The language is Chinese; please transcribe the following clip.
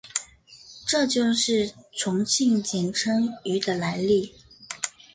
这就是重庆简称渝的来历。